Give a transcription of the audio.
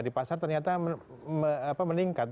di pasar ternyata meningkat